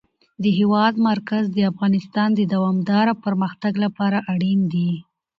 د هېواد مرکز د افغانستان د دوامداره پرمختګ لپاره اړین دي.